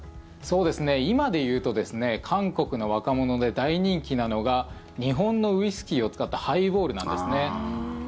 今で言うとですね韓国の若者で大人気なのが日本のウイスキーを使ったハイボールなんですね。